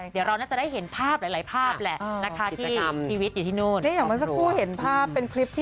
เดี๋ยวเราน่าจะได้เห็นหลายภาพแหละนะคะ